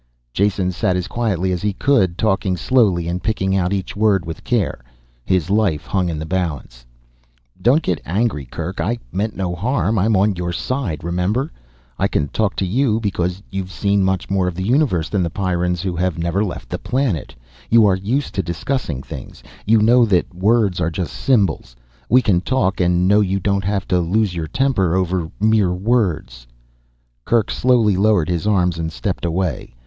Jason sat as quietly as he could, talking slowly and picking out each word with care. His life hung in the balance. "Don't get angry, Kerk. I meant no harm. I'm on your side, remember? I can talk to you because you've seen much more of the universe than the Pyrrans who have never left the planet. You are used to discussing things. You know that words are just symbols. We can talk and know you don't have to lose your temper over mere words " Kerk slowly lowered his arms and stepped away.